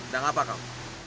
dan apa kau